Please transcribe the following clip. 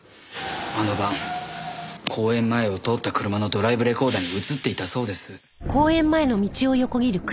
あの晩公園前を通った車のドライブレコーダーに映っていたそうです。